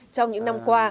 trong những năm qua